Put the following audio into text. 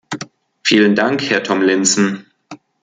Vielen Dank, Herr Tomlinson.